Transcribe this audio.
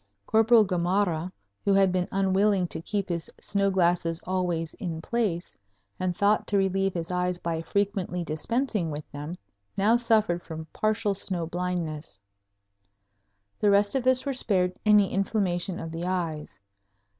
Corporal Gamarra, who had been unwilling to keep his snow glasses always in place and thought to relieve his eyes by frequently dispensing with them, now suffered from partial snow blindness. The rest of us were spared any inflammation of the eyes.